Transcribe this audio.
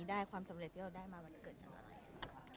บางทีเค้าแค่อยากดึงเค้าต้องการอะไรจับเราไหล่ลูกหรือยังไง